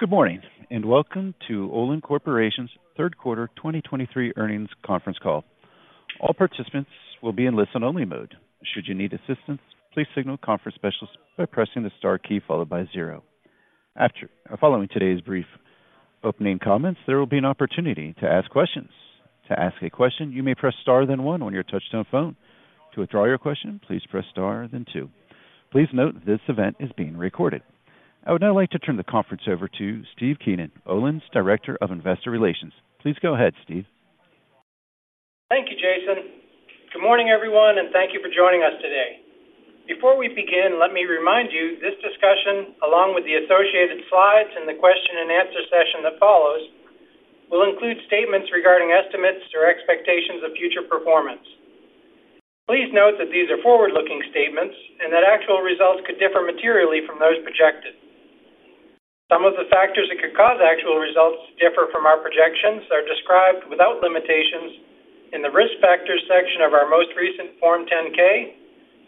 Good morning, and welcome to Olin Corporation's Third Quarter 2023 Earnings Conference Call. All participants will be in listen-only mode. Should you need assistance, please signal conference specialist by pressing the star key followed by zero. Following today's brief opening comments, there will be an opportunity to ask questions. To ask a question, you may press star then one on your touchtone phone. To withdraw your question, please press star, then two. Please note, this event is being recorded. I would now like to turn the conference over to Steve Keenan, Olin's Director of Investor Relations. Please go ahead, Steve. Thank you, Jason. Good morning, everyone, and thank you for joining us today. Before we begin, let me remind you this discussion, along with the associated slides and the question and answer session that follows, will include statements regarding estimates or expectations of future performance. Please note that these are forward-looking statements and that actual results could differ materially from those projected. Some of the factors that could cause actual results to differ from our projections are described without limitations in the Risk Factors section of our most recent Form 10-K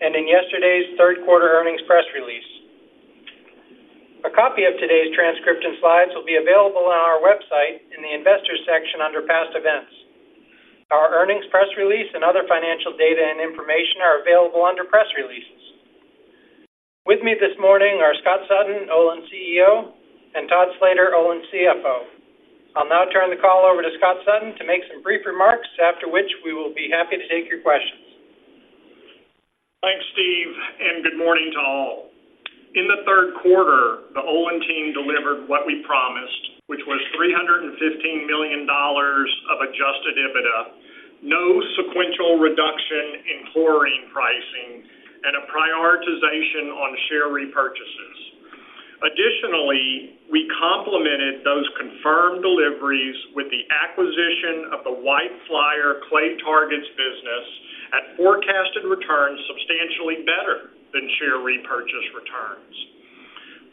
and in yesterday's third quarter earnings press release. A copy of today's transcription slides will be available on our website in the Investors section under Past Events. Our earnings press release and other financial data and information are available under Press Releases. With me this morning are Scott Sutton, Olin CEO, and Todd Slater, Olin CFO. I'll now turn the call over to Scott Sutton to make some brief remarks, after which we will be happy to take your questions. Thanks, Steve, and good morning to all. In the third quarter, the Olin team delivered what we promised, which was $315 million of adjusted EBITDA, no sequential reduction in chlorine pricing, and a prioritization on share repurchases. Additionally, we complemented those confirmed deliveries with the acquisition of the White Flyer Clay Targets business at forecasted returns substantially better than share repurchase returns.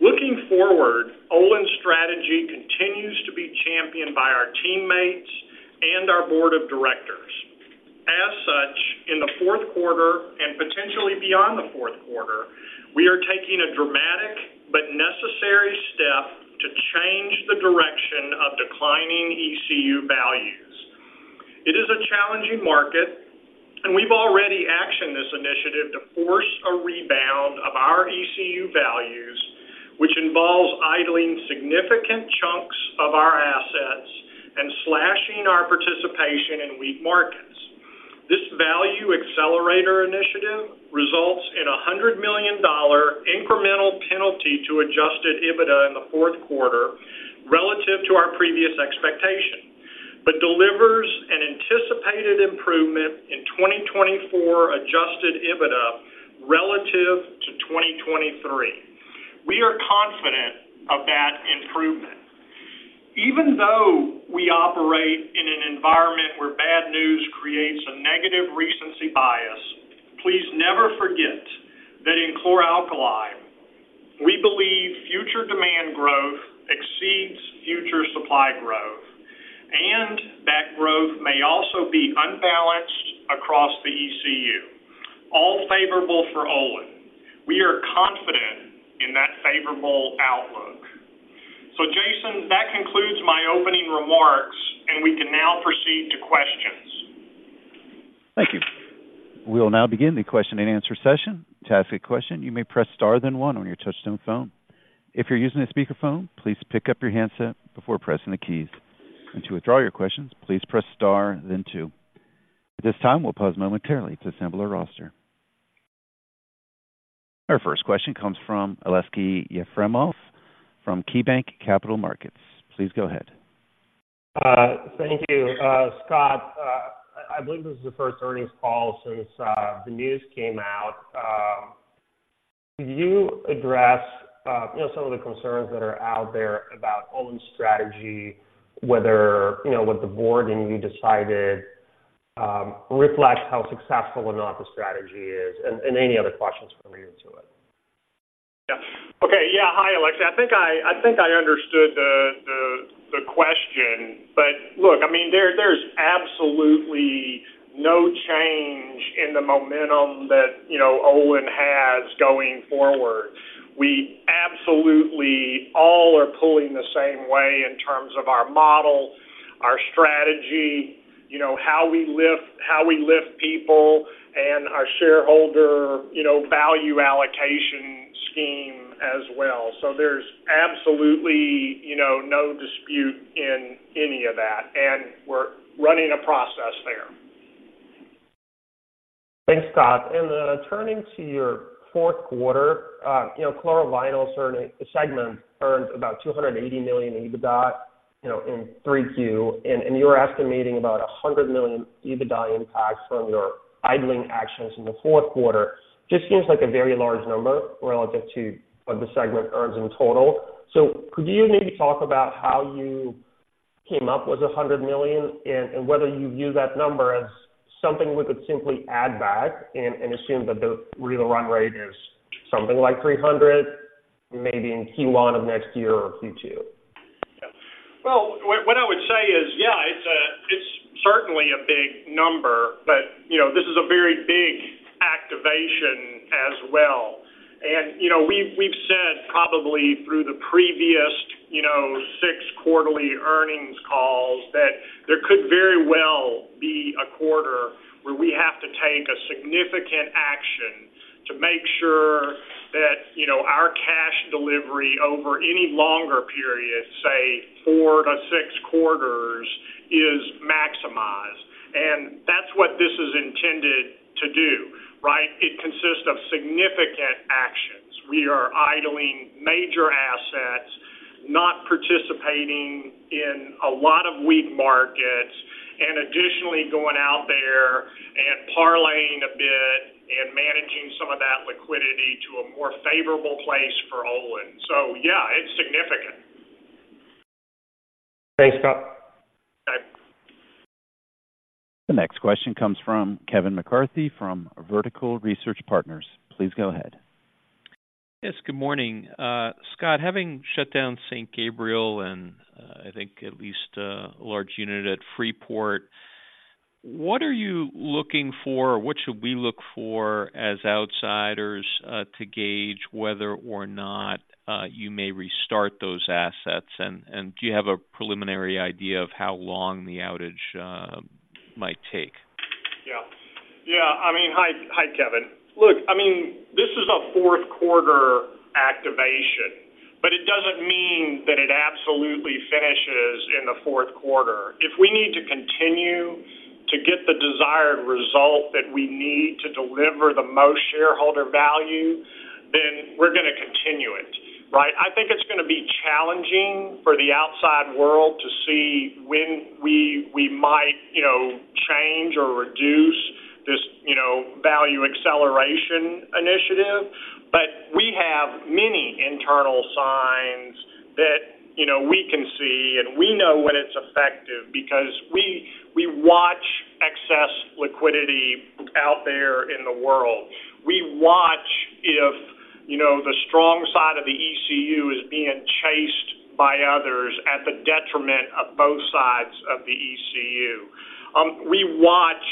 Looking forward, Olin's strategy continues to be championed by our teammates and our board of directors. As such, in the fourth quarter and potentially beyond the fourth quarter, we are taking a dramatic but necessary step to change the direction of declining ECU values. It is a challenging market, and we've already actioned this initiative to force a rebound of our ECU values, which involves idling significant chunks of our assets and slashing our participation in weak markets. This value accelerator initiative results in a $100 million incremental penalty to Adjusted EBITDA in the fourth quarter relative to our previous expectation, but delivers an anticipated improvement in 2024 Adjusted EBITDA relative to 2023. We are confident of that improvement. Even though we operate in an environment where bad news creates a negative recency bias, please never forget that in chlor-alkali, we believe future demand growth exceeds future supply growth, and that growth may also be unbalanced across the ECU, all favorable for Olin. We are confident in that favorable outlook. So Jason, that concludes my opening remarks, and we can now proceed to questions. Thank you. We will now begin the question and answer session. To ask a question, you may press star, then one on your touchtone phone. If you're using a speakerphone, please pick up your handset before pressing the keys. And to withdraw your questions, please press star then two. At this time, we'll pause momentarily to assemble our roster. Our first question comes from Aleksey Yefremov from KeyBanc Capital Markets. Please go ahead. Thank you. Scott, I believe this is the first earnings call since the news came out. Could you address, you know, some of the concerns that are out there about Olin's strategy, whether, you know, what the board and you decided reflects how successful or not the strategy is, and any other questions from you to it? Yeah. Okay. Yeah. Hi, Aleksey. I think I understood the question, but look, I mean, there's absolutely no change in the momentum that, you know, Olin has going forward. We absolutely all are pulling the same way in terms of our model, our strategy, you know, how we lift people and our shareholder, you know, value allocation scheme as well. So there's absolutely, you know, no dispute in any of that, and we're running a process there. Thanks, Scott. And then turning to your fourth quarter, you know, chlorovinyls segment earned about $280 million EBITDA, you know, in 3Q, and you're estimating about $100 million EBITDA impact from your idling actions in the fourth quarter. Just seems like a very large number relative to what the segment earns in total. So could you maybe talk about how you came up with $100 million and whether you view that number as something we could simply add back and assume that the real run rate is something like $300, maybe in Q1 of next year or Q2? Well, what I would say is, yeah, it's a, it's certainly a big number, but, you know, this is a very big activation as well. And, you know, we've said probably through the previous, you know, six quarterly earnings calls, that there could very well be a quarter where we have to take a significant action to make sure that, you know, our cash delivery over any longer period, say, four to six quarters, is maximized. And that's what this is intended to do, right? It consists of significant actions. We are idling major assets, not participating in a lot of weak markets, and additionally, going out there and parlaying a bit and managing some of that liquidity to a more favorable place for Olin. So, yeah, it's significant. Thanks, Scott. Okay. The next question comes from Kevin McCarthy, from Vertical Research Partners. Please go ahead. Yes, good morning. Scott, having shut down St. Gabriel and, I think at least a large unit at Freeport, what are you looking for or what should we look for as outsiders, to gauge whether or not you may restart those assets? And, do you have a preliminary idea of how long the outage might take? Yeah. Yeah. I mean, hi, hi, Kevin. Look, I mean, this is a fourth quarter activation, but it doesn't mean that it absolutely finishes in the fourth quarter. If we need to continue to get the desired result that we need to deliver the most shareholder value, then we're gonna continue it, right? I think it's gonna be challenging for the outside world to see when we, we might, you know, change or reduce this, you know, value acceleration initiative. But we have many internal signs that, you know, we can see, and we know when it's effective because we, we watch excess liquidity out there in the world. We watch if, you know, the strong side of the ECU is being chased by others at the detriment of both sides of the ECU. We watch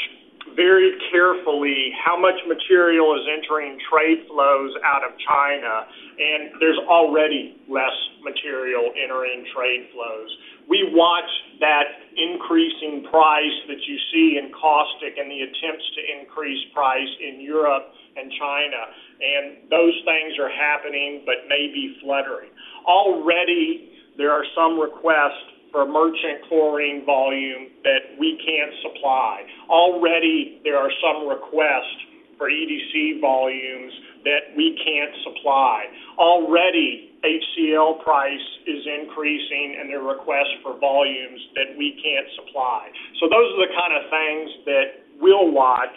very carefully how much material is entering trade flows out of China, and there's already less material entering trade flows. We watch that increasing price that you see in caustic and the attempts to increase price in Europe and China, and those things are happening, but may be fluttering. Already, there are some requests for merchant chlorine volume that we can't supply. Already, there are some requests for EDC volumes that we can't supply. Already, HCl price is increasing and there are requests for volumes that we can't supply. So those are the kind of things that we'll watch.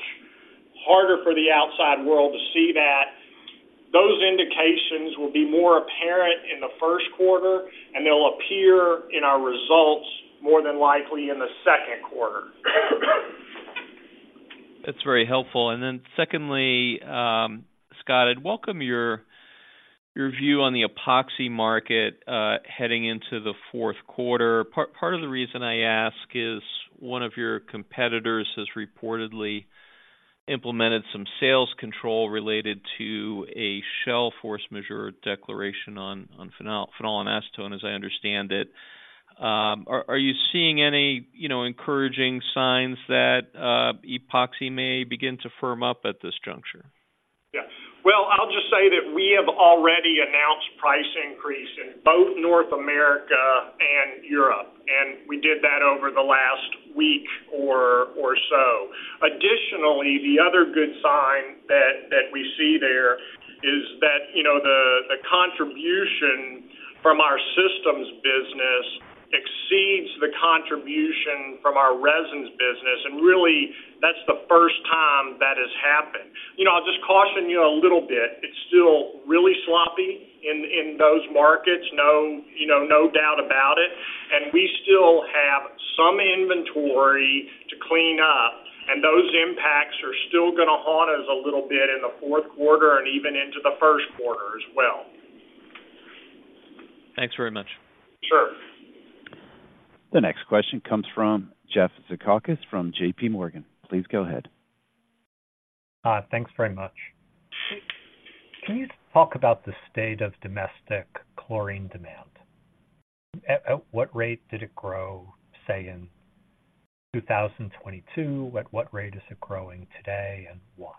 Harder for the outside world to see that. Those indications will be more apparent in the first quarter, and they'll appear in our results more than likely in the second quarter. That's very helpful. And then secondly, Scott, I'd welcome your view on the Epoxy market heading into the fourth quarter. Part of the reason I ask is, one of your competitors has reportedly implemented some sales control related to a Shell force majeure declaration on phenol and acetone, as I understand it. Are you seeing any, you know, encouraging signs that Epoxy may begin to firm up at this juncture? Yeah. Well, I'll just say that we have already announced price increase in both North America and Europe, and we did that over the last week or, or so. Additionally, the other good sign that, that we see there is that, you know, the, the contribution from our systems business exceeds the contribution from our resins business, and really, that's the first time that has happened. You know, I'll just caution you a little bit. It's still really sloppy in, in those markets. No, you know, no doubt about it. And we still have some inventory to clean up, and those impacts are still gonna haunt us a little bit in the fourth quarter and even into the first quarter as well. Thanks very much. Sure. The next question comes from Jeff Zekauskas from JPMorgan. Please go ahead. Thanks very much. Can you talk about the state of domestic chlorine demand? At what rate did it grow, say, in 2022? At what rate is it growing today, and why?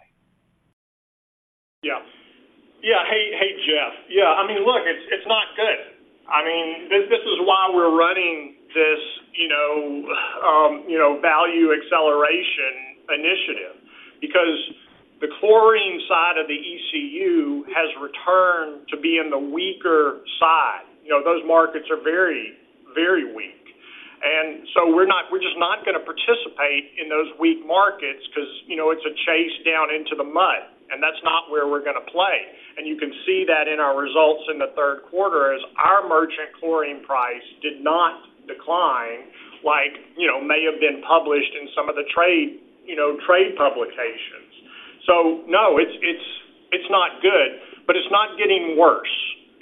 Yeah. Yeah. Hey, hey, Jeff. Yeah, I mean, look, it's, it's not good. I mean, this, this is why we're running this, you know, value accelerator initiative. Because the chlorine side of the ECU has returned to being the weaker side. You know, those markets are very, very weak. And so we're just not gonna participate in those weak markets 'cause, you know, it's a chase down into the mud, and that's not where we're gonna play. And you can see that in our results in the third quarter, as our merchant chlorine price did not decline like, you know, may have been published in some of the trade, you know, trade publications. So no, it's, it's, it's not good, but it's not getting worse,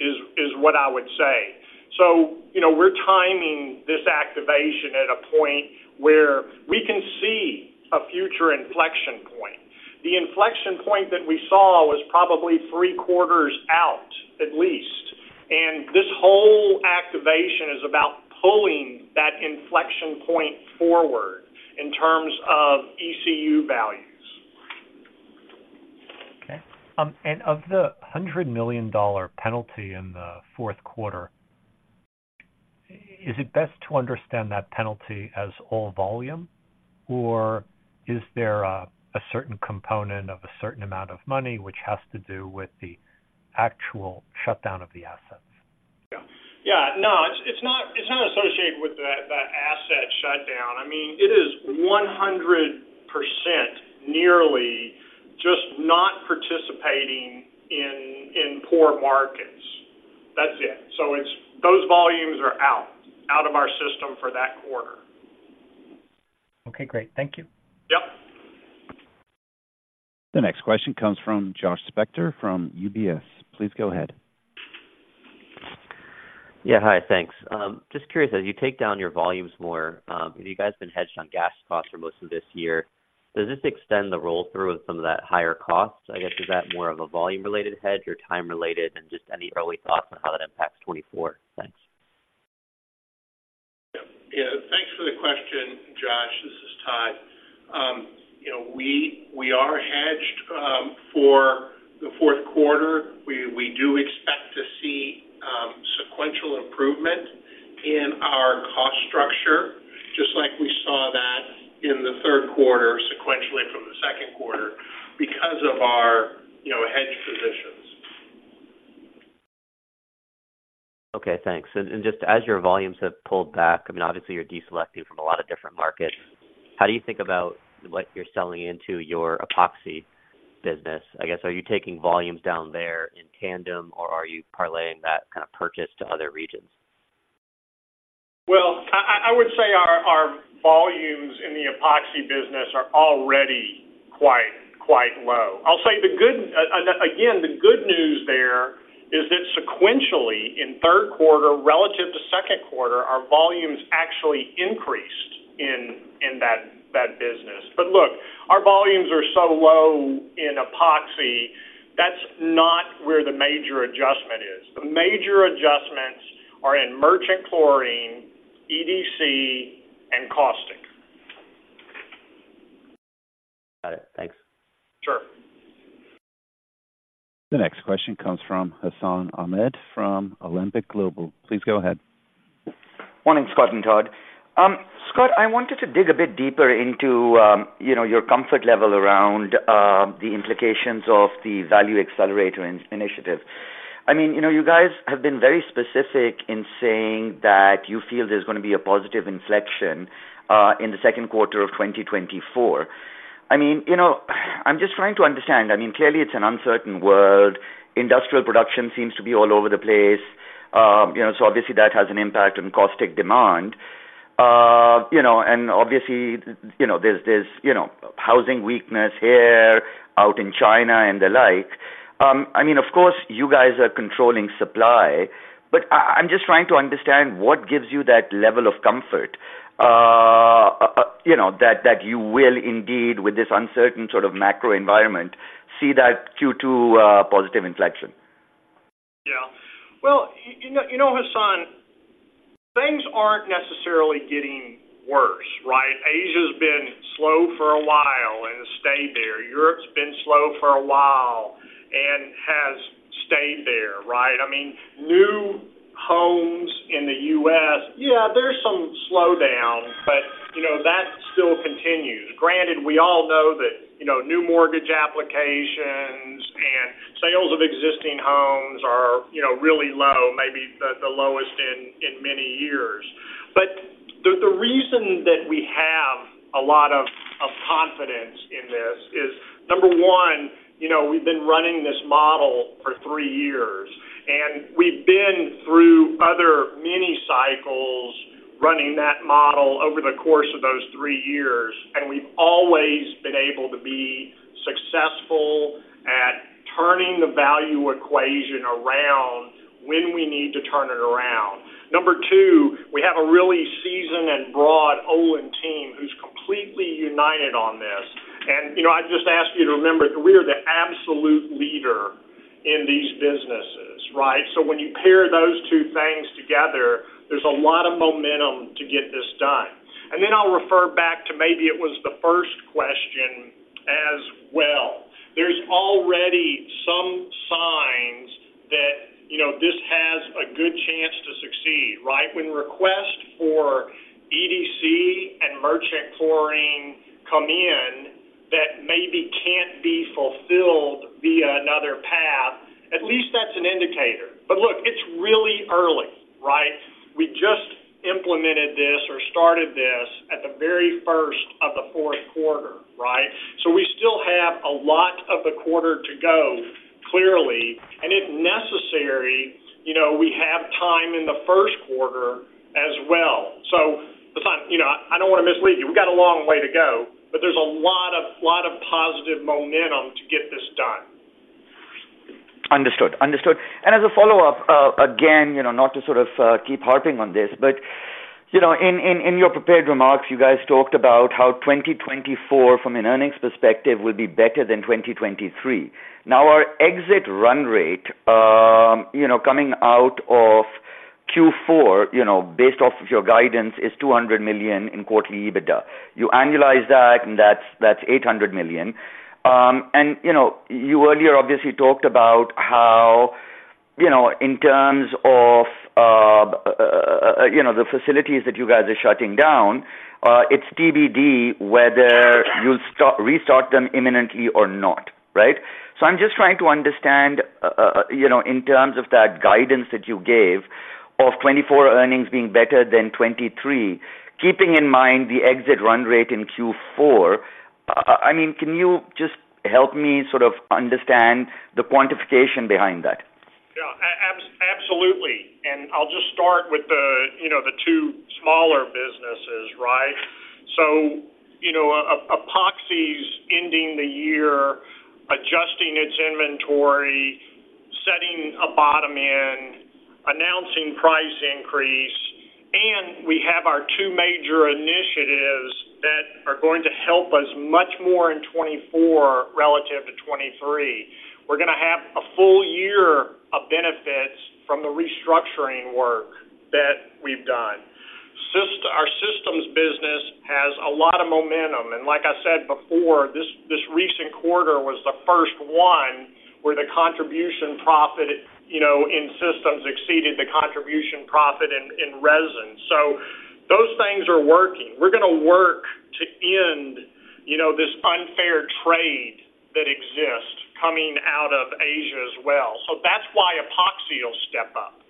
is, is what I would say. So, you know, we're timing this activation at a point where we can see a future inflection point. The inflection point that we saw was probably three quarters out, at least, and this whole activation is about pulling that inflection point forward in terms of ECU values. Okay. Of the $100 million penalty in the fourth quarter, is it best to understand that penalty as all volume, or is there a certain component of a certain amount of money which has to do with the actual shutdown of the assets? Yeah. No, it's not associated with the asset shutdown. I mean, it is 100% nearly just not participating in poor markets. That's it. So it's those volumes are out of our system for that quarter. Okay, great. Thank you. Yep. The next question comes from Josh Spector from UBS. Please go ahead. Yeah. Hi, thanks. Just curious, as you take down your volumes more, have you guys been hedged on gas costs for most of this year? Does this extend the roll-through of some of that higher cost? I guess, is that more of a volume-related hedge or time-related, and just any early thoughts on how that impacts 2024? Thanks. Yeah, thanks for the question, Josh. This is Todd. You know, we, we are hedged for the fourth quarter. We, we do expect to see sequential improvement in our cost structure, just like we saw that in the third quarter, sequentially from the second quarter, because of our, you know, hedge positions. Okay, thanks. Just as your volumes have pulled back, I mean, obviously, you're deselecting from a lot of different markets. How do you think about what you're selling into your Epoxy business? I guess, are you taking volumes down there in tandem, or are you parlaying that kind of purchase to other regions? Well, I would say our volumes in the Epoxy business are already quite low. I'll say the good news there is that sequentially, in third quarter relative to second quarter, our volumes actually increased in that business. But look, our volumes are so low in Epoxy, that's not where the major adjustment is. The major adjustments are in merchant chlorine, EDC, and caustic. Got it. Thanks. Sure. The next question comes from Hassan Ahmed from Alembic Global. Please go ahead. Morning, Scott and Todd. Scott, I wanted to dig a bit deeper into, you know, your comfort level around the implications of the value accelerator initiative. I mean, you know, you guys have been very specific in saying that you feel there's gonna be a positive inflection in the second quarter of 2024. I mean, you know, I'm just trying to understand. I mean, clearly, it's an uncertain world. Industrial production seems to be all over the place. You know, so obviously, that has an impact on caustic demand. You know, and obviously, you know, there's housing weakness here, out in China and the like. I mean, of course, you guys are controlling supply, but I'm just trying to understand what gives you that level of comfort, you know, that you will indeed, with this uncertain sort of macro environment, see that Q2 positive inflection? Yeah. Well, you know, you know, Hassan, things aren't necessarily getting worse, right? Asia's been slow for a while and stayed there. Europe's been slow for a while and has stayed there, right? I mean, new homes in the U.S., yeah, there's some slowdown, but, you know, that still continues. Granted, we all know that, you know, new mortgage applications and sales of existing homes are, you know, really low, maybe the lowest in many years. But the reason that we have a lot of confidence in this is, number one, you know, we've been running this model for three years, and we've been through other mini cycles running that model over the course of those three years, and we've always been able to be successful at turning the value equation around when we need to turn it around. Number two, we have a really seasoned and broad Olin team who's completely united on this. And, you know, I just ask you to remember that we are the absolute leader in these businesses, right? So when you pair those two things together, there's a lot of momentum to get this done. And then I'll refer back to maybe it was the first question as well. There's already some signs that, you know, this has a good chance to succeed, right? When request for EDC and merchant chlorine come in, that maybe can't be fulfilled via another path, at least that's an indicator. But look, it's really early, right? We just implemented this or started this at the very first of the fourth quarter, right? So we still have a lot of the quarter to go, clearly, and if necessary, you know, we have time in the first quarter as well. You know, I, I don't wanna mislead you. We've got a long way to go, but there's a lot of, lot of positive momentum to get this done. Understood. Understood. As a follow-up, again, you know, not to sort of keep harping on this, but, you know, in your prepared remarks, you guys talked about how 2024, from an earnings perspective, will be better than 2023. Now, our exit run rate, you know, coming out of Q4, you know, based off of your guidance, is $200 million in quarterly EBITDA. You annualize that, and that's $800 million. And, you know, you earlier obviously talked about how, you know, in terms of, you know, the facilities that you guys are shutting down, it's TBD whether you'll stop or restart them imminently or not, right? So I'm just trying to understand, you know, in terms of that guidance that you gave of 2024 earnings being better than 2023, keeping in mind the exit run rate in Q4, I mean, can you just help me sort of understand the quantification behind that? Yeah, absolutely. And I'll just start with the, you know, the two smaller businesses, right? So, you know, Epoxy ending the year, adjusting its inventory, setting a bottom in, announcing price increase, and we have our two major initiatives that are going to help us much more in 2024 relative to 2023. We're gonna have a full year of benefits from the restructuring work that we've done. Our systems business has a lot of momentum, and like I said before, this, this recent quarter was the first one where the contribution profit, you know, in systems exceeded the contribution profit in, in resins. So those things are working. We're gonna work to end, you know, this unfair trade that exists coming out of Asia as well. So that's why Epoxy will step up.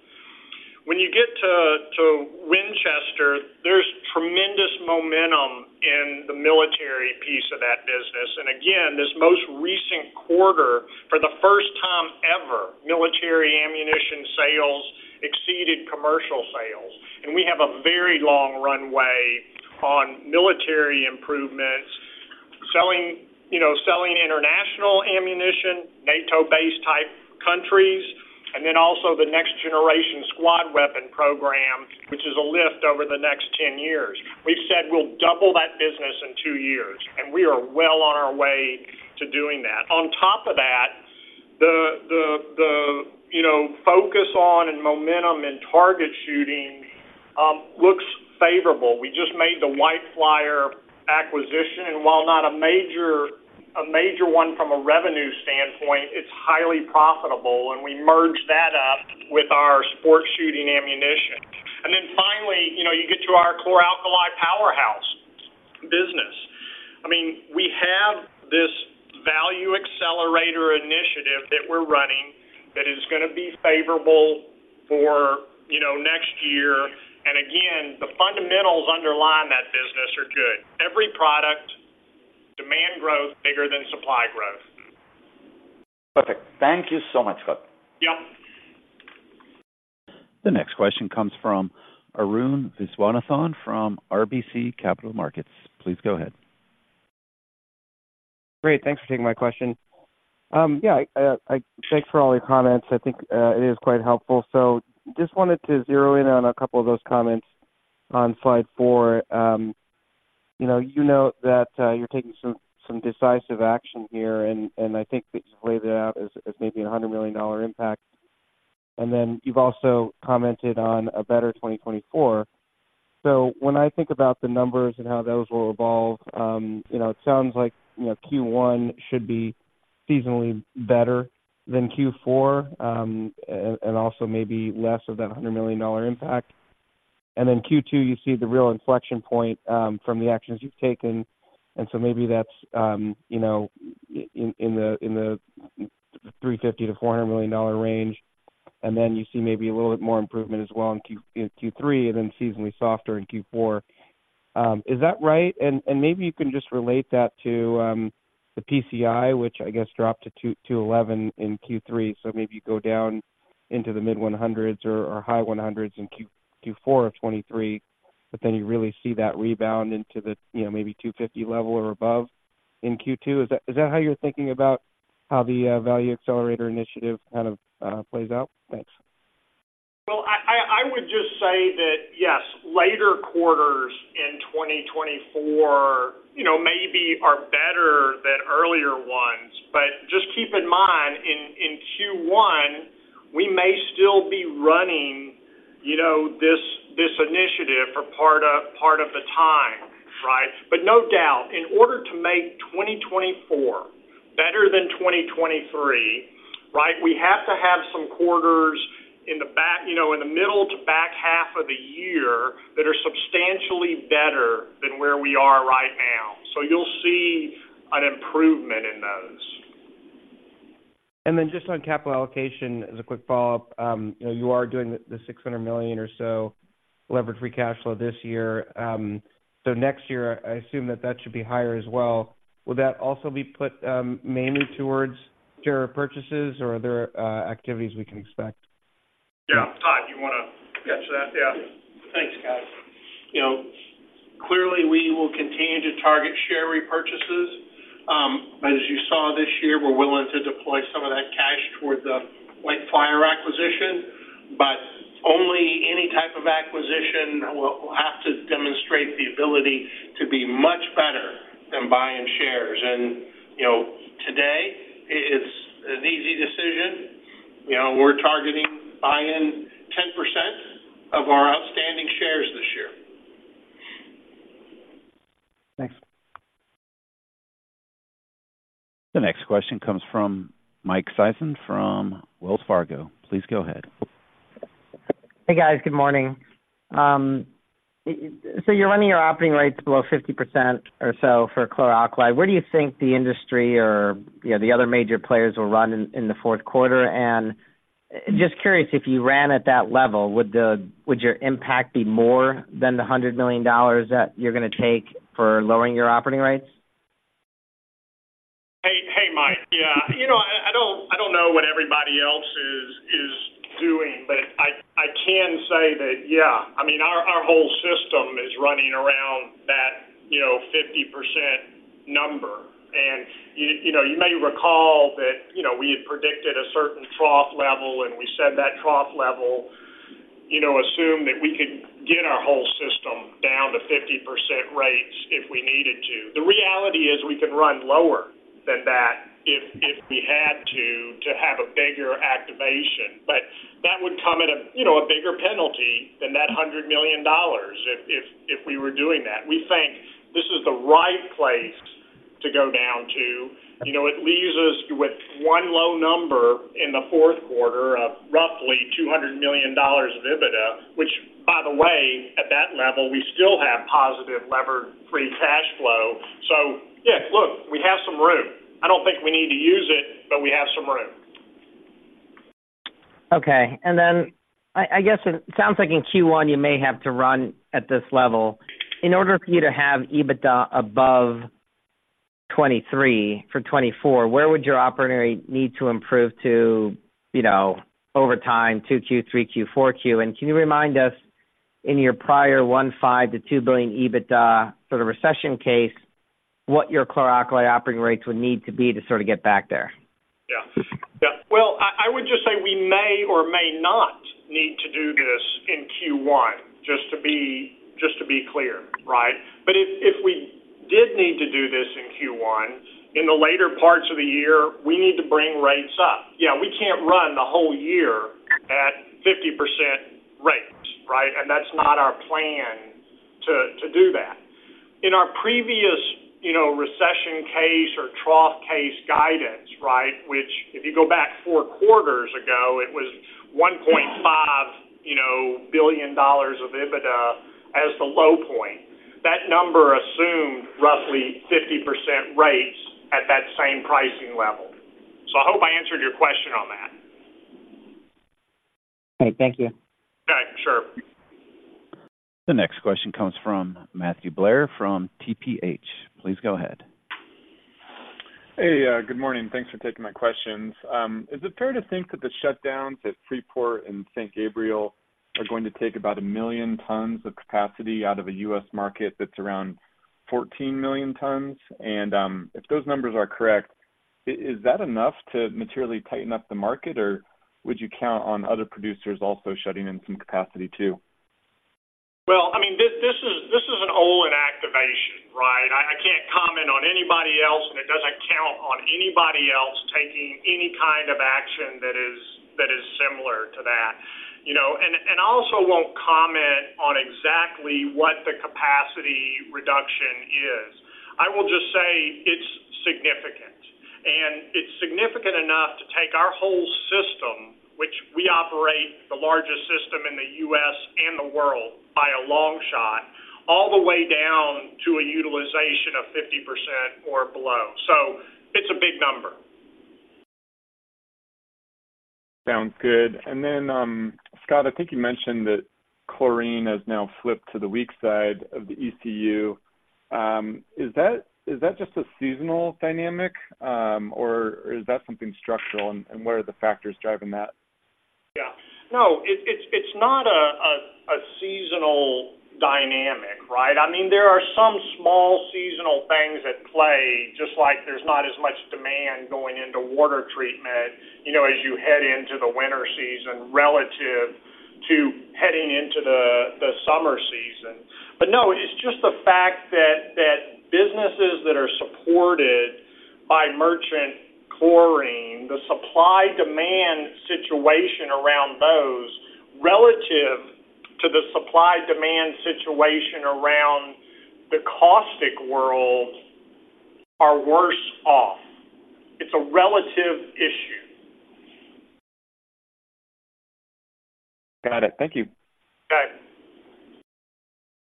When you get to, to Winchester, there's tremendous momentum in the military piece of that business. Again, this most recent quarter, for the first time ever, military ammunition sales exceeded commercial sales. We have a very long runway on military improvements, selling, you know, selling international ammunition, NATO-based type countries, and then also the Next Generation Squad Weapon program, which is a lift over the next 10 years. We've said we'll double that business in two years, and we are well on our way to doing that. On top of that, the, you know, focus on and momentum in target shooting looks favorable. We just made the White Flyer acquisition, and while not a major one from a revenue standpoint, it's highly profitable, and we merged that up with our sport shooting ammunition. And then finally, you know, you get to our chlor-alkali powerhouse business. I mean, we have this value accelerator initiative that we're running that is gonna be favorable for, you know, next year. And again, the fundamentals underlying that business are good. Every product, demand growth bigger than supply growth. Perfect. Thank you so much, Scott. Yep. The next question comes from Arun Viswanathan from RBC Capital Markets. Please go ahead. Great. Thanks for taking my question. Yeah, thanks for all your comments. I think it is quite helpful. So just wanted to zero in on a couple of those comments on slide four. You know, you note that you're taking some decisive action here, and I think that you've laid it out as maybe a $100 million impact. And then you've also commented on a better 2024. So when I think about the numbers and how those will evolve, you know, it sounds like Q1 should be seasonally better than Q4, and also maybe less of that $100 million impact. Then Q2, you see the real inflection point from the actions you've taken, and so maybe that's, you know, in the $350 million-$400 million range. And then you see maybe a little bit more improvement as well in Q3, and then seasonally softer in Q4. Is that right? And maybe you can just relate that to the PCI, which I guess dropped to 211 in Q3. So maybe you go down into the mid-100s or high 100s in Q4 of 2023, but then you really see that rebound into the, you know, maybe 250 level or above in Q2. Is that how you're thinking about how the value accelerator initiative kind of plays out? Thanks. Well, I would just say that, yes, later quarters in 2024, you know, maybe are better than earlier ones. But just keep in mind, in Q1, we may still be running, you know, this initiative for part of the time, right? But no doubt, in order to make 2024 better than 2023, right, we have to have some quarters in the back... you know, in the middle to back half of the year, that are substantially better than where we are right now. So you'll see an improvement in those. Just on capital allocation, as a quick follow-up, you know, you are doing the $600 million or so levered free cash flow this year. So next year, I assume that that should be higher as well. Will that also be put mainly towards share purchases, or are there activities we can expect? Yeah, Todd, you want to catch that? Yeah. Thanks, guys. You know, clearly, we will continue to target share repurchases. But as you saw this year, we're willing to deploy some of that cash towards the White Flyer acquisition, but only any type of acquisition will have to demonstrate the ability to be much better than buying shares. And, you know, today it's an easy decision. You know, we're targeting buying 10% of our outstanding shares this year. Thanks. The next question comes from Mike Sison from Wells Fargo. Please go ahead. Hey, guys. Good morning. So you're running your operating rates below 50% or so for chlor-alkali. Where do you think the industry or, you know, the other major players will run in the fourth quarter? And just curious, if you ran at that level, would your impact be more than the $100 million that you're going to take for lowering your operating rates? Hey, hey, Mike. Yeah, you know, I don't know what everybody else is doing, but I can say that, yeah, I mean, our whole system is running around that 50% number. You know, you may recall that we had predicted a certain trough level, and we said that trough level assumed that we could get our whole system down to 50% rates if we needed to. The reality is we could run lower than that if we had to, to have a bigger activation. But that would come at a bigger penalty than that $100 million if we were doing that. We think this is the right place to go down to. You know, it leaves us with one low number in the fourth quarter of roughly $200 million of EBITDA, which, by the way, at that level, we still have positive levered free cash flow. So yeah, look, we have some room. I don't think we need to use it, but we have some room. Okay. I guess it sounds like in Q1, you may have to run at this level. In order for you to have EBITDA above $23 for 2024, where would your operating rate need to improve to, you know, over time, 2Q, 3Q, 4Q? And can you remind us, in your prior $1.5 billion-$2 billion EBITDA sort of recession case, what your chlor-alkali operating rates would need to be to sort of get back there? Yeah. Yeah. Well, I would just say we may or may not need to do this in Q1, just to be clear, right? But if we did need to do this in Q1, in the later parts of the year, we need to bring rates up. Yeah, we can't run the whole year at 50% rates, right? And that's not our plan to do that. In our previous, you know, recession case or trough case guidance, right, which if you go back four quarters ago, it was $1.5 billion of EBITDA as the low point. That number assumed roughly 50% rates at that same pricing level. So I hope I answered your question on that. Okay. Thank you. Okay, sure. The next question comes from Matthew Blair from TPH. Please go ahead. Hey, good morning. Thanks for taking my questions. Is it fair to think that the shutdowns at Freeport and St. Gabriel are going to take about 1 million tons of capacity out of a U.S. market that's around 14 million tons? And, if those numbers are correct, is that enough to materially tighten up the market, or would you count on other producers also shutting in some capacity too? Well, I mean, this is an Olin activation, right? I can't comment on anybody else, and it doesn't count on anybody else taking any kind of action that is similar to that, you know. And I also won't comment on exactly what the capacity reduction is. I will just say it's significant, and it's significant enough to take our whole system, which we operate the largest system in the U.S. and the world by a long shot, all the way down to a utilization of 50% or below. So it's a big number. Sounds good. And then, Scott, I think you mentioned that chlorine has now flipped to the weak side of the ECU. Is that just a seasonal dynamic, or is that something structural, and what are the factors driving that? Yeah. No, it's not a seasonal dynamic, right? I mean, there are some small seasonal things at play, just like there's not as much demand going into water treatment, you know, as you head into the summer season. But no, it's just the fact that businesses that are supported by merchant chlorine, the supply-demand situation around those, relative to the supply-demand situation around the caustic world, are worse off. It's a relative issue. Got it. Thank you. Okay.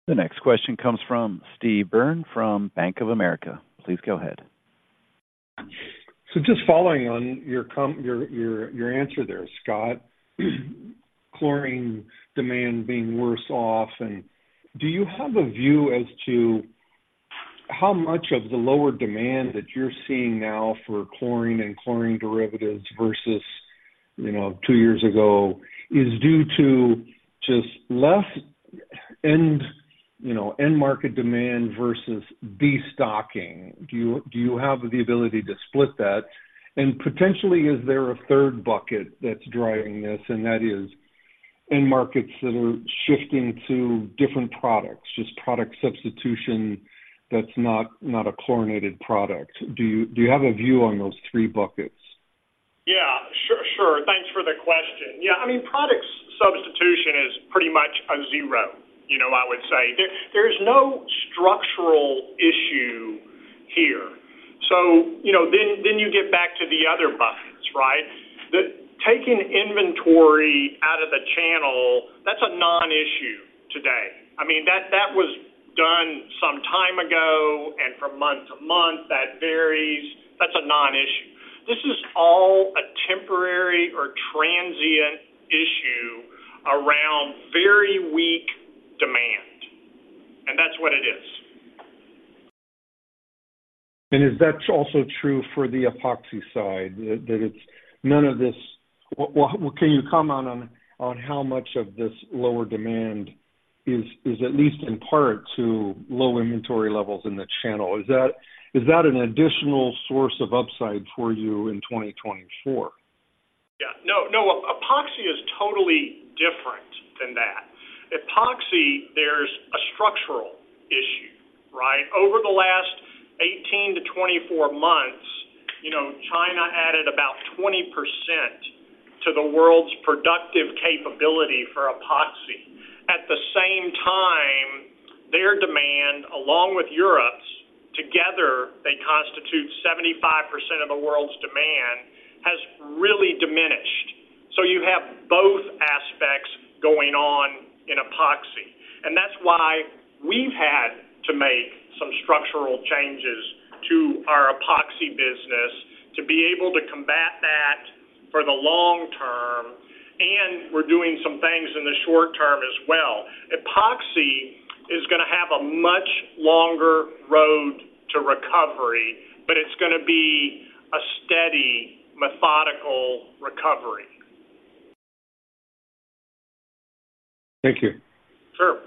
The next question comes from Steve Byrne from Bank of America. Please go ahead. So just following on your answer there, Scott, chlorine demand being worse off, and do you have a view as to... how much of the lower demand that you're seeing now for chlorine and chlorine derivatives versus, you know, two years ago, is due to just less end, you know, end market demand versus destocking? Do you have the ability to split that? And potentially, is there a third bucket that's driving this, and that is end markets that are shifting to different products, just product substitution that's not a chlorinated product? Do you have a view on those three buckets? Yeah, sure. Thanks for the question. Yeah, I mean, product substitution is pretty much a zero, you know, I would say. There's no structural issue here. So you know, then you get back to the other buckets, right? The taking inventory out of the channel, that's a non-issue today. I mean, that was done some time ago, and from month to month, that varies. That's a non-issue. This is all a temporary or transient issue around very weak demand, and that's what it is. Is that also true for the Epoxy side, that it's none of this? Well, can you comment on how much of this lower demand is at least in part to low inventory levels in the channel? Is that an additional source of upside for you in 2024? Yeah. No, no, Epoxy is totally different than that. Epoxy, there's a structural issue, right? Over the last 18-24 months, you know, China added about 20% to the world's productive capability for Epoxy. At the same time, their demand, along with Europe's, together, they constitute 75% of the world's demand, has really diminished. So you have both aspects going on in Epoxy, and that's why we've had to make some structural changes to our Epoxy business to be able to combat that for the long term, and we're doing some things in the short term as well. Epoxy is gonna have a much longer road to recovery, but it's gonna be a steady, methodical recovery. Thank you. Sure.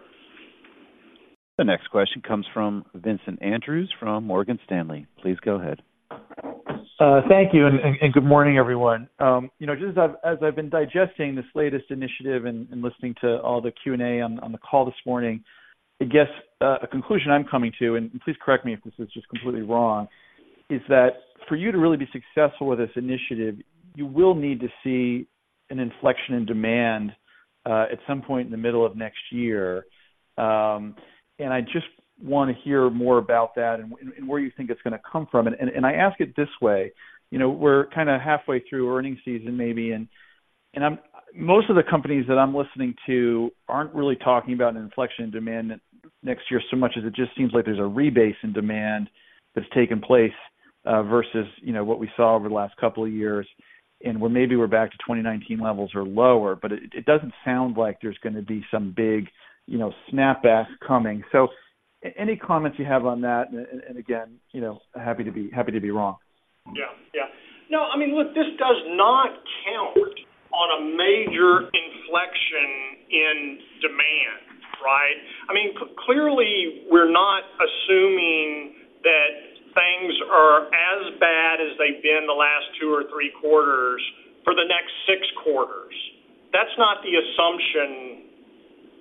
The next question comes from Vincent Andrews from Morgan Stanley. Please go ahead. Thank you, and good morning, everyone. You know, just as I've been digesting this latest initiative and listening to all the Q&A on the call this morning, I guess a conclusion I'm coming to, and please correct me if this is just completely wrong, is that for you to really be successful with this initiative, you will need to see an inflection in demand at some point in the middle of next year. And I just wanna hear more about that and where you think it's gonna come from. And I ask it this way: You know, we're kind of halfway through earnings season maybe, and I'm most of the companies that I'm listening to aren't really talking about an inflection in demand next year, so much as it just seems like there's a rebase in demand that's taken place, versus, you know, what we saw over the last couple of years. And we're maybe back to 2019 levels or lower, but it doesn't sound like there's gonna be some big, you know, snapback coming. So any comments you have on that, and again, you know, happy to be, happy to be wrong. Yeah. Yeah. No, I mean, look, this does not count on a major inflection in demand, right? I mean, clearly, we're not assuming that things are as bad as they've been the last two or three quarters for the next six quarters. That's not the assumption,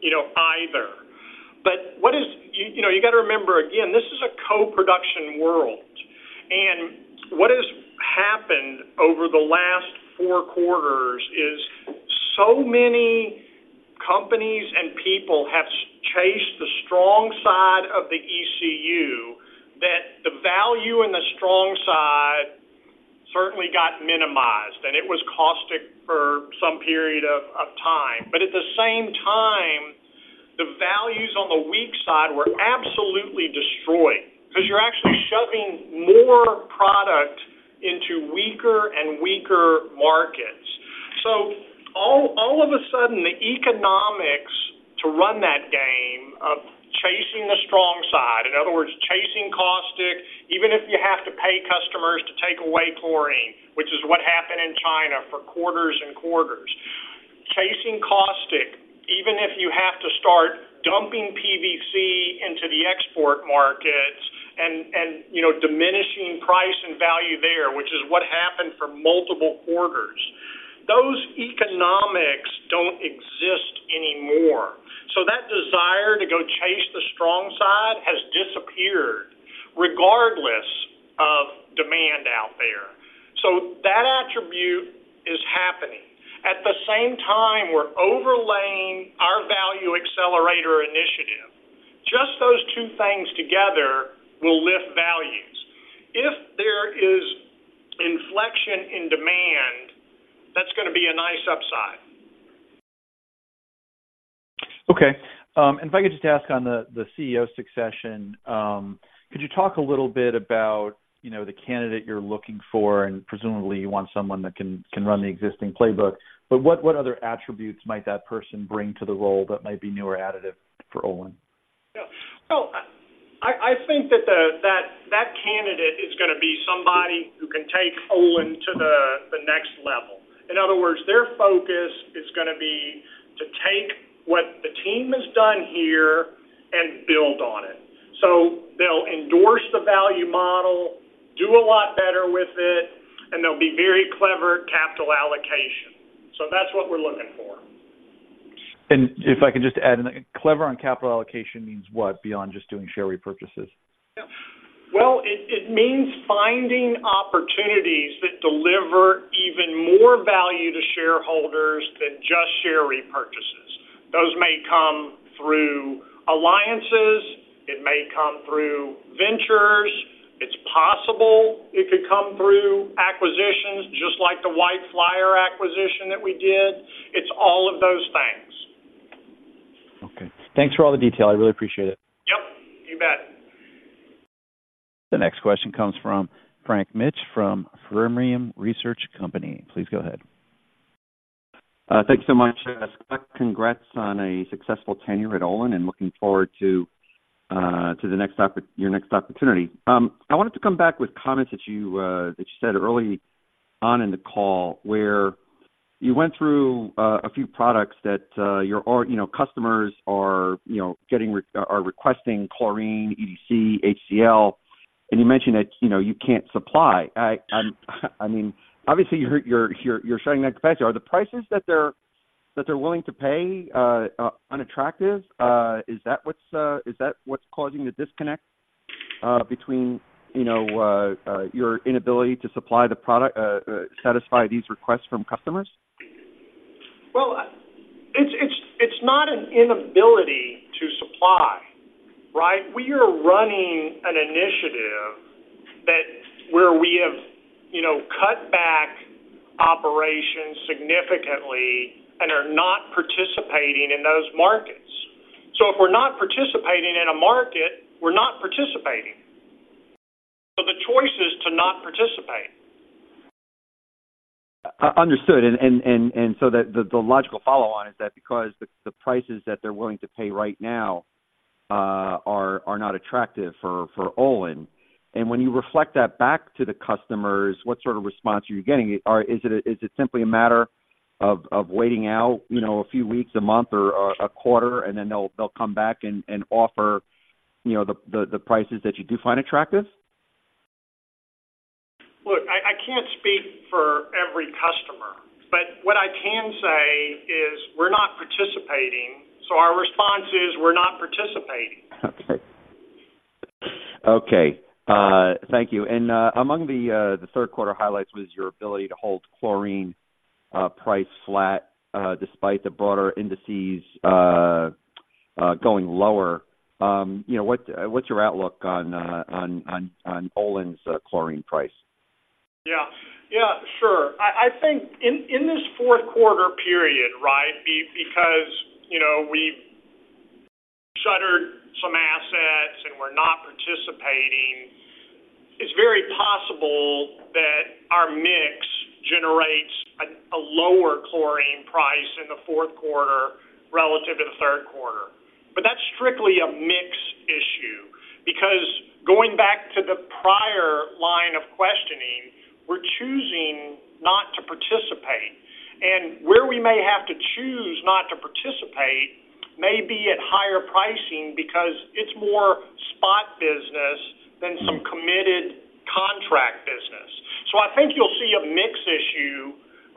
you know, either. But what is—You know, you got to remember, again, this is a co-production world, and what has happened over the last four quarters is so many companies and people have chased the strong side of the ECU, that the value in the strong side certainly got minimized, and it was caustic for some period of time. But at the same time, the values on the weak side were absolutely destroyed because you're actually shoving more product into weaker and weaker markets. So all of a sudden, the economics to run that game of chasing the strong side, in other words, chasing caustic, even if you have to pay customers to take away chlorine, which is what happened in China for quarters and quarters. Chasing caustic, even if you have to start dumping PVC into the export markets and, you know, diminishing price and value there, which is what happened for multiple quarters. Those economics don't exist anymore. So that desire to go chase the strong side has disappeared, regardless of demand out there. So that attribute is happening. At the same time, we're overlaying our value accelerator initiative. Just those two things together will lift values. If there is inflection in demand, that's gonna be a nice upside. Okay, and if I could just ask on the CEO succession, could you talk a little bit about, you know, the candidate you're looking for, and presumably you want someone that can run the existing playbook? But what other attributes might that person bring to the role that might be new or additive for Olin? Yeah. So, I think that the candidate is going to be somebody who can take Olin to the next level. In other words, their focus is going to be to take what the team has done here and build on it. So they'll endorse the value model, do a lot better with it, and they'll be very clever at capital allocation. So that's what we're looking for. If I can just add, clever on capital allocation means what? Beyond just doing share repurchases. Well, it means finding opportunities that deliver even more value to shareholders than just share repurchases. Those may come through alliances, it may come through ventures. It's possible it could come through acquisitions, just like the White Flyer acquisition that we did. It's all of those things. Okay. Thanks for all the detail. I really appreciate it. Yep, you bet. The next question comes from Frank Mitsch from Fermium Research. Please go ahead. Thanks so much. Scott, congrats on a successful tenure at Olin, and looking forward to your next opportunity. I wanted to come back with comments that you said early on in the call, where you went through a few products that you know, customers are requesting chlorine, EDC, HCl, and you mentioned that you know, you can't supply. I mean, obviously, you're showing that capacity. Are the prices that they're willing to pay unattractive? Is that what's causing the disconnect between you know, your inability to supply the product, satisfy these requests from customers? Well, it's not an inability to supply, right? We are running an initiative where we have, you know, cut back operations significantly and are not participating in those markets. So if we're not participating in a market, we're not participating. So the choice is to not participate. Understood. And so the logical follow-on is that because the prices that they're willing to pay right now are not attractive for Olin. And when you reflect that back to the customers, what sort of response are you getting? Or is it simply a matter of waiting out, you know, a few weeks, a month, or a quarter, and then they'll come back and offer, you know, the prices that you do find attractive? Look, I can't speak for every customer, but what I can say is we're not participating, so our response is we're not participating. Okay. Okay, thank you. And, among the third quarter highlights was your ability to hold chlorine price flat, despite the broader indices going lower. You know, what's your outlook on Olin's chlorine price? Yeah. Yeah, sure. I think in this fourth quarter period, right, because, you know, we've shuttered some assets and we're not participating, it's very possible that our mix generates a lower chlorine price in the fourth quarter relative to the third quarter. But that's strictly a mix issue, because going back to the prior line of questioning, we're choosing not to participate. And where we may have to choose not to participate may be at higher pricing because it's more spot business than some committed contract business. So I think you'll see a mix issue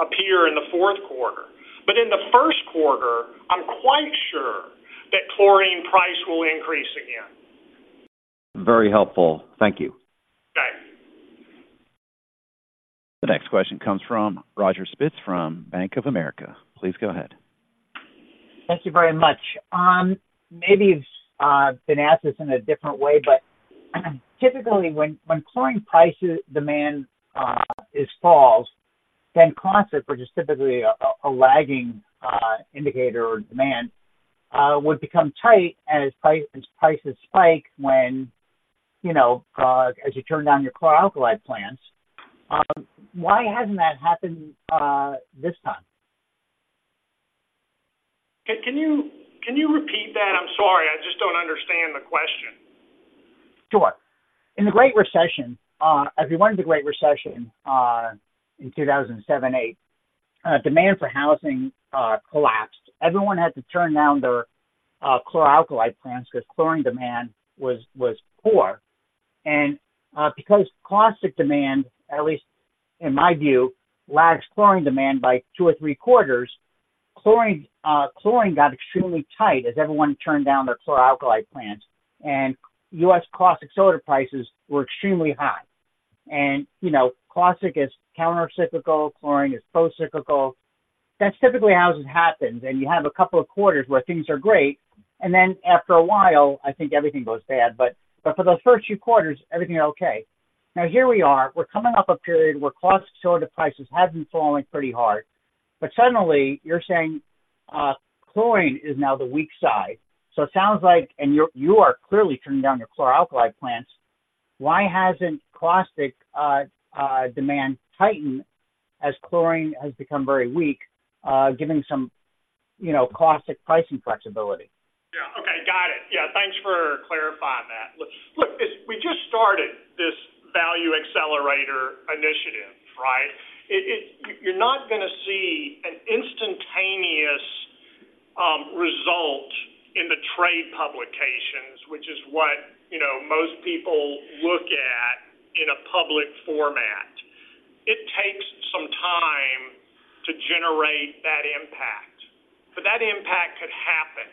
appear in the fourth quarter, but in the first quarter, I'm quite sure that chlorine price will increase again. Very helpful. Thank you. Thanks. The next question comes from Roger Spitz, from Bank of America. Please go ahead. Thank you very much. Maybe it's been asked this in a different way, but typically, when chlorine prices demand is falls, then caustics, which is typically a lagging indicator or demand, would become tight as prices prices spike when, you know, as you turn down your chlor-alkali plants. Why hasn't that happened this time? Can you repeat that? I'm sorry. I just don't understand the question. Sure. In the Great Recession, everyone in the Great Recession, in 2007, 2008, demand for housing collapsed. Everyone had to turn down their chlor-alkali plants because chlorine demand was poor. And, because caustic demand, at least in my view, lags chlorine demand by two or three quarters. Chlorine, chlorine got extremely tight as everyone turned down their chlor-alkali plants, and U.S. caustic soda prices were extremely high. And, you know, caustic is countercyclical, chlorine is procyclical. That's typically how this happens, and you have a couple of quarters where things are great, and then after a while, I think everything goes bad. For those first few quarters, everything is okay. Now, here we are, we're coming off a period where caustic soda prices have been falling pretty hard. But suddenly you're saying, chlorine is now the weak side. So it sounds like... And you are clearly turning down your chlor-alkali plants. Why hasn't caustic demand tightened as chlorine has become very weak, giving some, you know, caustic pricing flexibility? Yeah. Okay. Got it. Yeah, thanks for clarifying that. Look, this, we just started this value accelerator initiative, right? It, you're not going to see an instantaneous result in the trade publications, which is what, you know, most people look at in a public format. It takes some time to generate that impact, but that impact could happen.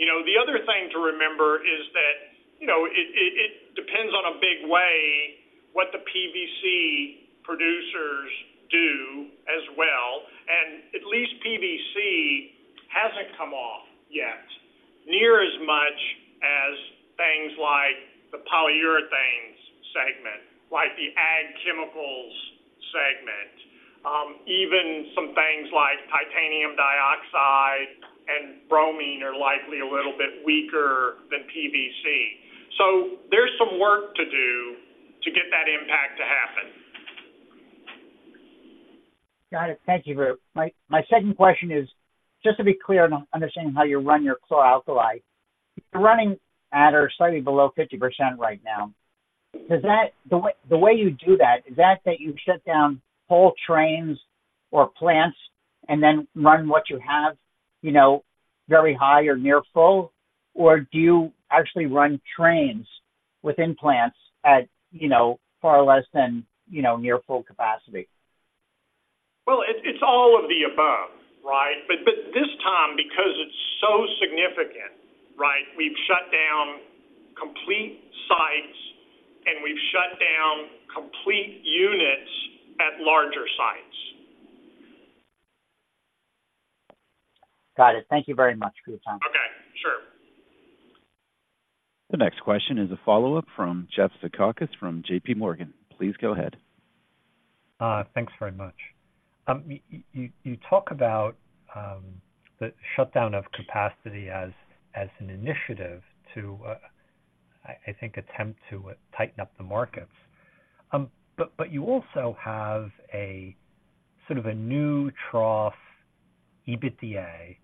You know, the other thing to remember is that, you know, it depends on a big way what the PVC producers do as well, and at least PVC hasn't come off yet, near as much as things like the polyurethanes segment, like the ag chemicals segment. Even some things like titanium dioxide and bromine are likely a little bit weaker than PVC. So there's some work to do to get that impact to happen. Got it. Thank you very-- My, my second question is, just to be clear and understanding how you run your chlor-alkali. You're running at or slightly below 50% right now. Does that-- the way, the way you do that, is that, that you shut down whole trains or plants and then run what you have, you know, very high or near full? Or do you actually run trains within plants at, you know, far less than, you know, near full capacity? Well, it's, it's all of the above, right? But, but this time, because it's so significant, right, we've shut down complete sites, and we've shut down complete units at larger sites. Got it. Thank you very much for your time. Okay, sure. The next question is a follow-up from Jeff Zekauskas from JPMorgan. Please go ahead. Thanks very much. You talk about the shutdown of capacity as an initiative to, I think, attempt to tighten up the markets. But you also have a sort of a new trough EBITDA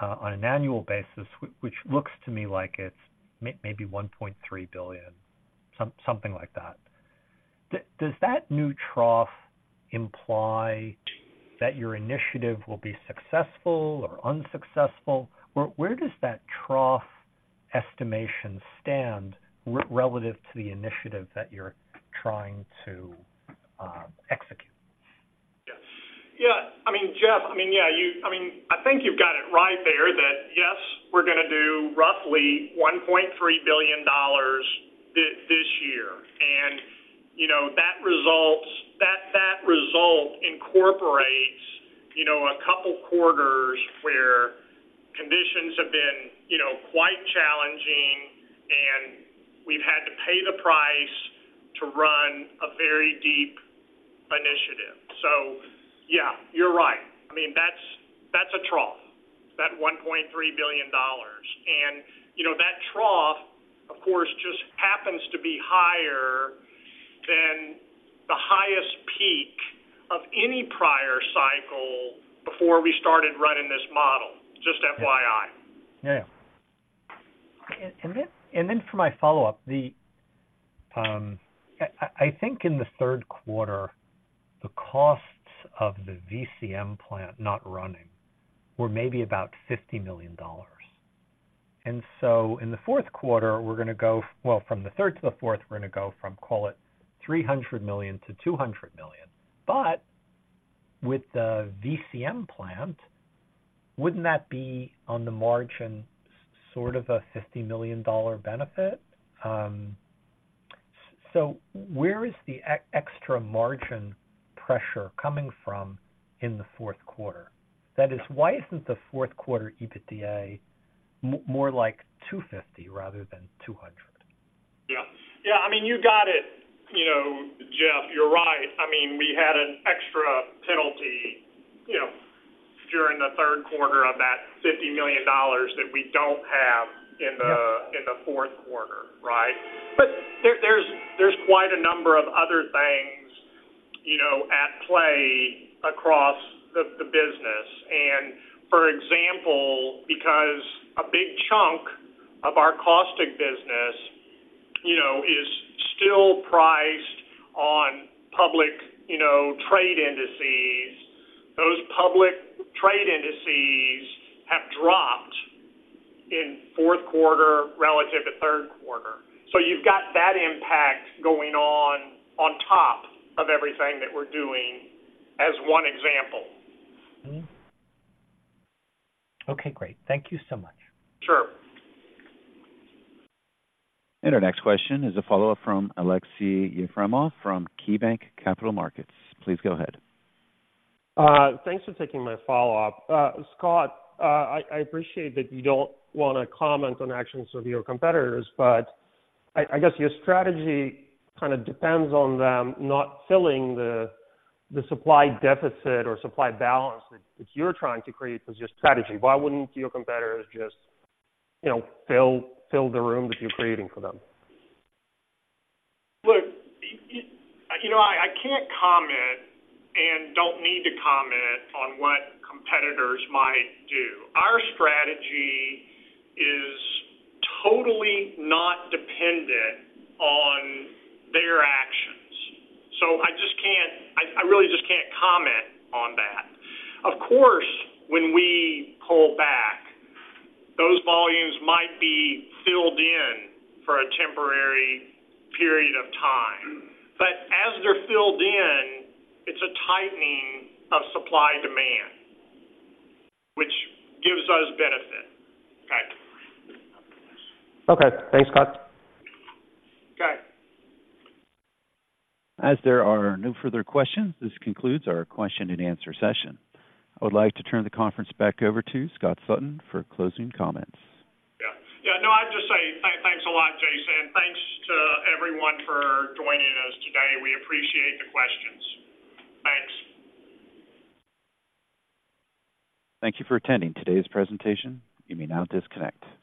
on an annual basis, which looks to me like it's maybe $1.3 billion, something like that. Does that new trough imply that your initiative will be successful or unsuccessful? Where does that trough estimation stand relative to the initiative that you're trying to execute? Yes. Yeah. I mean, Jeff, I mean, yeah, you—I mean, I think you've got it right there, that yes, we're going to do roughly $1.3 billion this year. And, you know, that results. That, that result incorporates, you know, a couple quarters where conditions have been, you know, quite challenging, and we've had to pay the price to run a very deep initiative. So yeah, you're right. I mean, that's, that's a trough, that $1.3 billion. And, you know, that trough, of course, just happens to be higher than the highest peak of any prior cycle before we started running this model. Just FYI. Yeah. Yeah. And then for my follow-up, I think in the third quarter, the costs of the VCM plant not running were maybe about $50 million. And so in the fourth quarter, we're going to go, well, from the third to the fourth, we're going to go from, call it, $300 million-$200 million. But with the VCM plant, wouldn't that be on the margin, sort of a $50 million benefit? So where is the extra margin pressure coming from in the fourth quarter? That is, why isn't the fourth quarter EBITDA more like 250 rather than 200? Yeah. Yeah, I mean, you got it. You know, Jeff, you're right. I mean, we had an extra penalty, you know, during the third quarter of that $50 million that we don't have in the, in the fourth quarter, right? But there, there's quite a number of other things, you know, at play across the business. And for example, because a big chunk of our caustic business, you know, is still priced on public trade indices, those public trade indices have dropped in fourth quarter relative to third quarter. So you've got that impact going on, on top of everything that we're doing as one example. Okay, great. Thank you so much. Sure. Our next question is a follow-up from Aleksey Yefremov from KeyBanc Capital Markets. Please go ahead. Thanks for taking my follow-up. Scott, I appreciate that you don't want to comment on actions of your competitors, but I guess your strategy kind of depends on them not filling the supply deficit or supply balance that you're trying to create with your strategy. Why wouldn't your competitors just, you know, fill the room that you're creating for them? Look, you know, I can't comment and don't need to comment on what competitors might do. Our strategy is totally not dependent on their actions, so I just can't. I really just can't comment on that. Of course, when we pull back, those volumes might be filled in for a temporary period of time. As they're filled in, it's a tightening of supply-demand, which gives us benefit. Okay. Okay. Thanks, Scott. Okay. As there are no further questions, this concludes our question and answer session. I would like to turn the conference back over to Scott Sutton for closing comments. Yeah. Yeah, no, I'd just say, thanks, thanks a lot, Jason. Thanks to everyone for joining us today. We appreciate the questions. Thanks. Thank you for attending today's presentation. You may now disconnect.